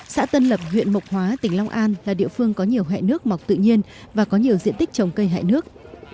xã tân lập huyện mộc hóa tỉnh long an là địa phương có nhiều hẹ nước mọc tự nhiên và có nhiều diện tích trồng cây hẹ nước